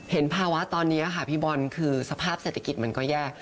ภาวะตอนนี้ค่ะพี่บอลคือสภาพเศรษฐกิจมันก็แย่